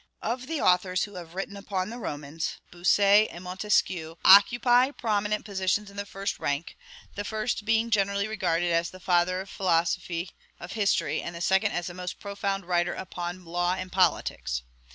Of the authors who have written upon the Romans, Bossuet and Montesquieu occupy prominent positions in the first rank; the first being generally regarded as the father of the philosophy of history, and the second as the most profound writer upon law and politics.